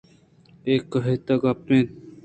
اے کُہتءَ گپ اَنت